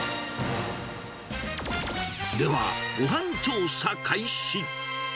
では、ごはん調査開始。